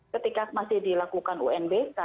ketika masih dilakukan unbk